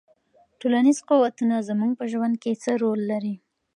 ټولنیز قوتونه زموږ په ژوند کې څه رول لري؟